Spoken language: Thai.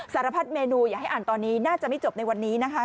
สารพัดเมนูอย่าให้อ่านตอนนี้น่าจะไม่จบในวันนี้นะคะ